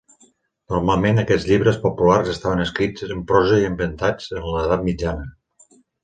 Normalment, aquests llibres populars estaven escrits en prosa i ambientats en l'Edat Mitjana.